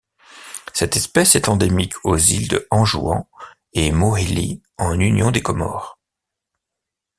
Cette espèce est endémique aux îles de Anjouan et Mohéli en Union des Comores.